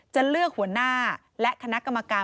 จะเลือกหัวหน้าและคณะกรรมการ